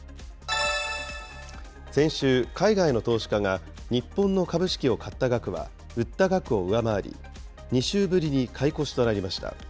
先週、海外の投資家が日本の株式を買った額は、売った額を上回り、２週ぶりに買い越しとなりました。